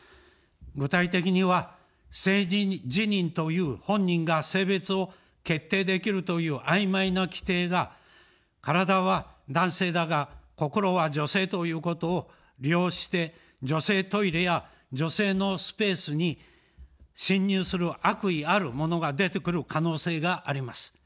具体的には、性自認という本人が性別を決定できるという曖昧な規定が、体は男性だが、心は女性ということを利用して女性トイレや女性のスペースに侵入する悪意ある者が出てくる可能性があります。